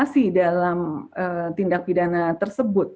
atau berpartisi dalam tindak pidana tersebut